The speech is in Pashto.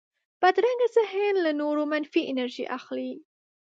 بدرنګه ذهن له نورو منفي انرژي اخلي